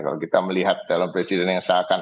kalau kita melihat calon presiden yang seakan